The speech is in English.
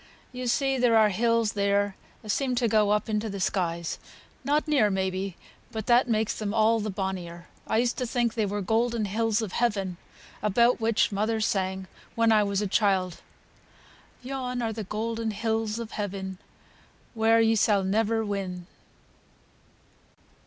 You see there are hills there as seem to go up into th' skies, not near may be, but that makes them all the bonnier. I used to think they were the golden hills of heaven, about which my mother sang when I was a child, 'Yon are the golden hills o' heaven, Where ye sall never win.'